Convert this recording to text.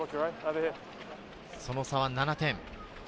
その差は７点。